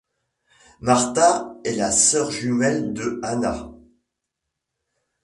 Marta est la sœur jumelle de Hanna.